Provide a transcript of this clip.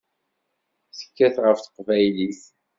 Tekkat ɣef teqbaylit.